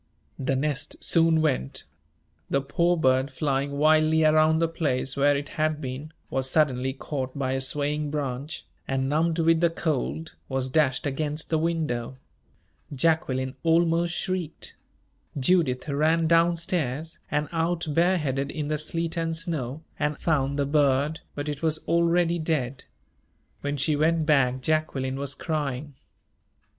The nest soon went. The poor bird, flying wildly around the place where it had been, was suddenly caught by a swaying branch, and, numbed with the cold, was dashed against the window. Jacqueline almost shrieked. Judith ran down stairs, and out bareheaded in the sleet and snow, and found the bird but it was already dead. When she went back, Jacqueline was crying.